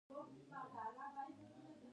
څ�ه کولی شم د ماشومانو لپاره د قیامت کیسه وکړم